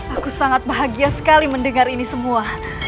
aku sangat bahagia sekali mendengar ini semua